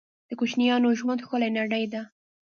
د کوچنیانو ژوند ښکلې نړۍ ده